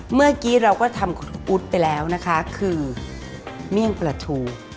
เมื่อกี้เราก็ทำคุณอุ๊ดไปแล้วนะคะคือเมี่ยงปลาทู